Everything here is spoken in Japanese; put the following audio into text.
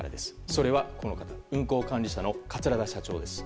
それはこの方運航管理者の桂田社長です。